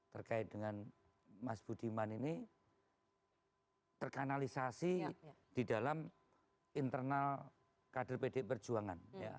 terkait dengan mas budiman ini terkanalisasi di dalam internal kader pdi perjuangan